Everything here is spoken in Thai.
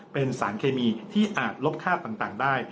เป็นสารเคมีที่อาจลบคาบต่างได้